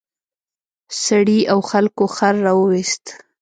سړي او خلکو خر راوویست.